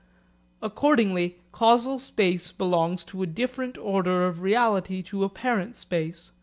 Accordingly causal space belongs to a different order of reality to apparent space.